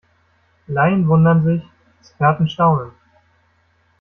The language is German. Laien wundern sich, Experten staunen.